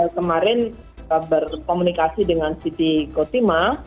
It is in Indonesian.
kemarin berkomunikasi dengan siti kotima